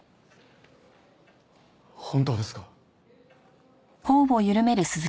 本当ですか？